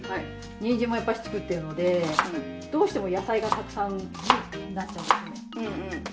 にんじんもやっぱり作ってるのでどうしても野菜がたくさんになっちゃうんですね。